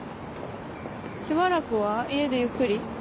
しばらくは家でゆっくり？